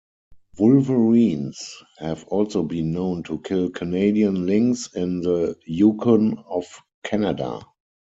Wolverines have also been known to kill Canadian lynx in the Yukon of Canada.